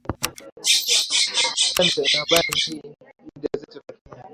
Chanzo cha habari hii ni gazeti la Kenya